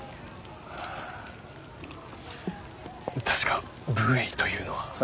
確か武衛というのは。